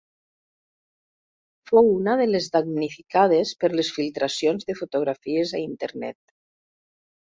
Fou una de les damnificades per les filtracions de fotografies a internet.